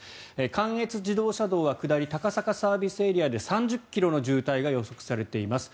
関越自動車道は下り高坂ＳＡで３０ｋｍの渋滞が予測されています。